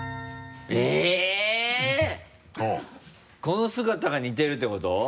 この姿が似てるってこと？